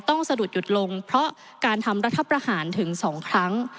สะดุดหยุดลงเพราะการทำรัฐประหารถึง๒ครั้ง